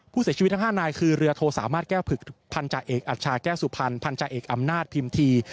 ผู้เสียชีวิตทั้ง๕นายคือเรือโทสามารถแก้วผึกพันธาเอกอัชชาแก้วสุพรรณพันธาเอกอำนาจพิมพี